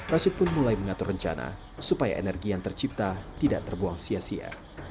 rasut pun mulai mengatur rencana supaya energi yang tercipta tidak terbuang sia sia